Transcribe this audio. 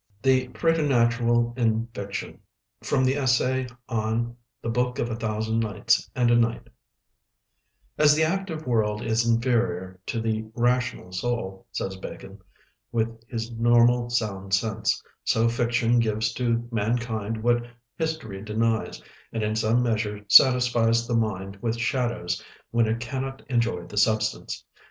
THE PRETERNATURAL IN FICTION From the Essay on 'The Book of a Thousand Nights and a Night' "As the active world is inferior to the rational soul," says Bacon, with his normal sound sense, "so Fiction gives to Mankind what History denies, and in some measure satisfies the Mind with Shadows when it cannot enjoy the Substance.